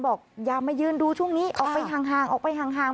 บอกอย่ามายืนดูช่วงนี้ออกไปห่าง